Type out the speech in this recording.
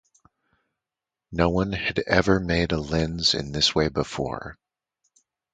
No one had ever made a lens in this way before.